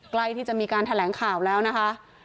ใกล้ที่จะมีการแถลงข่าวแล้วนะคะ